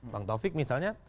bang taufik misalnya